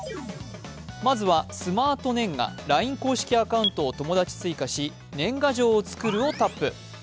まずは、スマートねんがＬＩＮＥ公式アカウントを友だち追加し年賀状を作るをタップ。